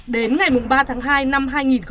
đến ngày ba tháng hai năm hai nghìn hai mươi